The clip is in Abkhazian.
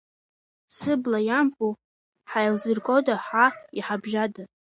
Сыбла иамбо, ҳаилзыргода, ҳа иҳабжьада?!